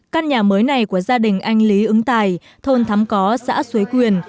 căn nhà mới này của gia đình anh lý ứng tài thôn thắm có xã xuế quyền